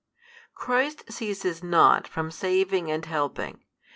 Christ ceaseth not from saving and helping.